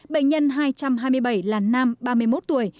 bệnh nhân hai trăm hai mươi bảy là nam ba mươi một tuổi